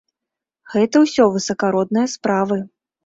Гэта ўсё высакародныя справы.